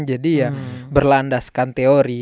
jadi ya berlandaskan teori